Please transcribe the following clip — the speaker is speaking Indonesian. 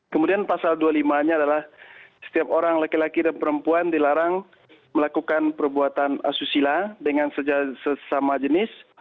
kemudian pasal dua puluh lima nya adalah setiap orang laki laki dan perempuan dilarang melakukan perbuatan asusila dengan sesama jenis